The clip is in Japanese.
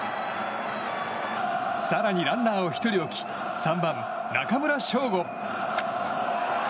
更に、ランナーを１人置き３番、中村奨吾。